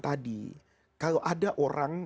tadi kalau ada orang